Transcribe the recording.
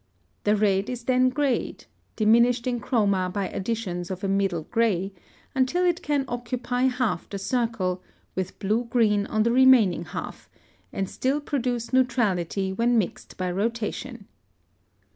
(110) The red is then grayed (diminished in chroma by additions of a middle gray) until it can occupy half the circle, with blue green on the remaining half, and still produce neutrality when mixed by rotation.